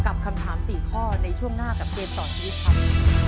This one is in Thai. กับคำถาม๔ข้อในช่วงหน้ากับเกมต่อชีวิตครับ